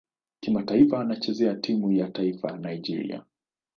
Kimataifa anachezea timu ya taifa Nigeria.